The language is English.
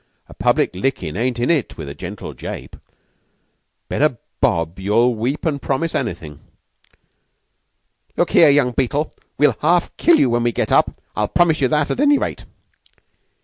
A public lickin' ain't in it with a gentle jape. Bet a bob you'll weep an' promise anything." "Look here, young Beetle, we'll half kill you when we get up. I'll promise you that, at any rate."